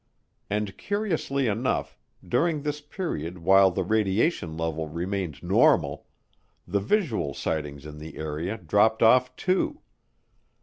And, curiously enough, during this period while the radiation level remained normal, the visual sightings in the area dropped off too.